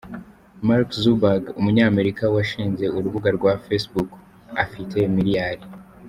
Mark Zuckerberg: Umunyamerika washinze urubuga rwa Facebook, afite miliyari .